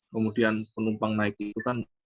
kemudian penumpang naik itu kan